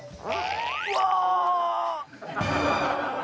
うわ！